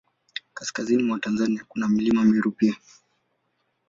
Kaskazini mwa Tanzania, kuna Mlima Meru pia.